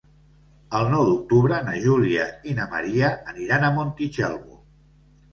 El nou d'octubre na Júlia i na Maria aniran a Montitxelvo.